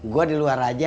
gue di luar aja